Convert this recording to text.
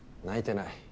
泣いてない。